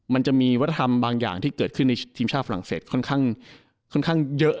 มันจะมีวัฒนธรรมบางอย่างที่เกิดขึ้นในทีมชาติฝรั่งเศสค่อนข้างเยอะ